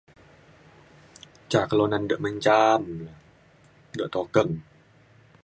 ca kelunan de menjam de. de tukeng.